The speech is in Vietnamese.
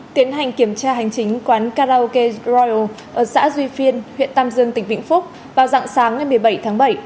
tiến hành kiểm tra hành chính quán karaoke royal ở xã duy phiên huyện tam dương tỉnh vịnh phúc vào dặng sáng ngày một mươi bảy tháng bảy